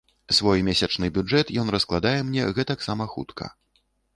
Свой месячны бюджэт ён раскладае мне гэтаксама хутка.